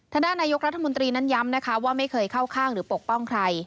ด้านนายกรัฐมนตรีนั้นย้ำนะคะว่าไม่เคยเข้าข้างหรือปกป้องใคร